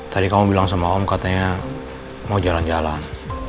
tadi kamu bilang sama om katanya mau jalan jalan